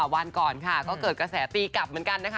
วันก่อนก็เกิดกระแสตีกลับเลย